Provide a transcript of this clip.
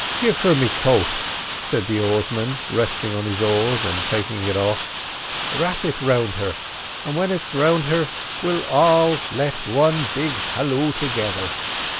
"Give her me coat," said the oarsman, resting on his oars and taking it off. "Wrap it round her; and when it's round her we'll all let one big halloo together.